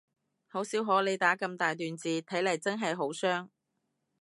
好少可你打咁大段字，睇嚟真係好傷